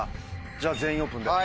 じゃあ「全員オープン」で。